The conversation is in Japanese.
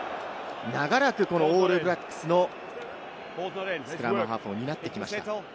長らくオールブラックスのスクラムハーフを担ってきました。